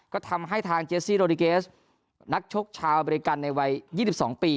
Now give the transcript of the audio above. ก็ทำให้ทางเจสซี่โรดิเกสนักชกชาวบริการในวัยยี่สิบสองปี